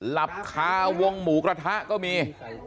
หลับคาวงหมูกระทะก็มี